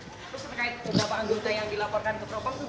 terus berkait beberapa anggota yang dilaporkan ke pro prampolri gimana